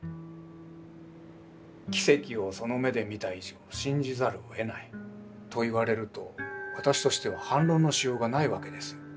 奇跡をその目で見た以上信じざるをえないと言われると私としては反論のしようがないわけですよ。